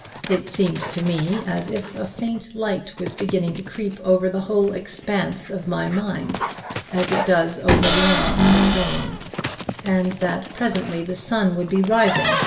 It seemed to me as if a faint light was beginning to creep over the whole expanse of my mind, as it does over land at dawn, and that presently the sun would be rising.